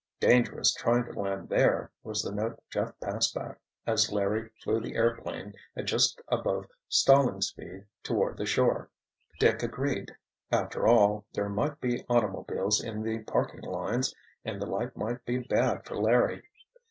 "Dangerous trying to land there!" was the note Jeff passed back as Larry flew the airplane at just above stalling speed toward the shore. Dick agreed. After all, there might be automobiles in the parking lines, and the light might be bad for Larry.